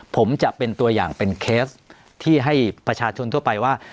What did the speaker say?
ผมจะเป็นตัวอย่างเป็นเคสที่ให้ประชาชนทั่วไปว่า